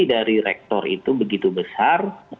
dari rektor itu begitu besar